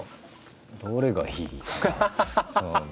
どれがいいか。